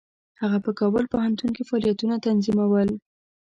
هغه په کابل پوهنتون کې فعالیتونه تنظیمول.